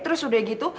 terus udah gitu